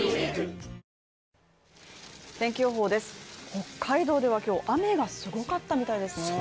北海道では今日、雨がすごかったみたいですね。